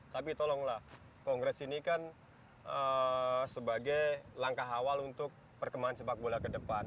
tapi tolonglah kongres ini kan sebagai langkah awal untuk perkembangan sepak bola ke depan